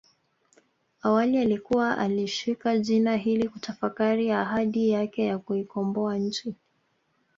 Awali alikuwa alishika jina hili kutafakari ahadi yake ya kuikomboa nchi